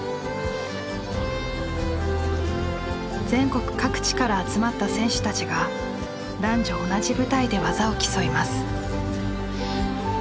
全国各地から集まった選手たちが男女同じ舞台で技を競います。